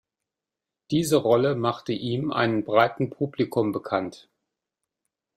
Diese Rolle machte ihm einen breiten Publikum bekannt.